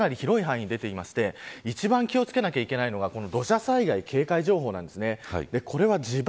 現在、警報がかなり広い範囲で出ていて一番気を付けなきゃいけないのが土砂災害警戒情報です。